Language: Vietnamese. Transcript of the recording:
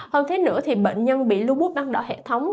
hơn thế nữa thì bệnh nhân bị lupus băng đỏ hệ thống